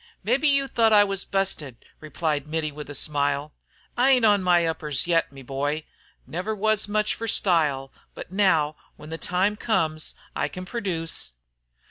"Mebbe you tho't I was busted," replied Mittie, with a smile. "I ain't on my uppers yet, me boy. Never was much fer style, but, now when the time comes, I can produce."